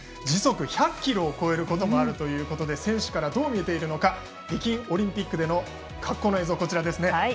時速１００キロを超えることもあるということで選手たちからどう見えているか北京オリンピックでの滑降の映像です。